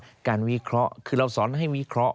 การวิเคราะห์คือเราสอนให้วิเคราะห